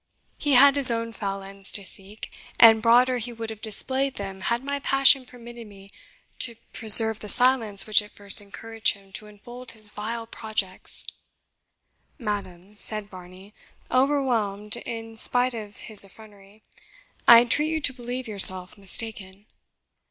He had his own foul ends to seek; and broader he would have displayed them had my passion permitted me to preserve the silence which at first encouraged him to unfold his vile projects." "Madam," said Varney, overwhelmed in spite of his effrontery, "I entreat you to believe yourself mistaken."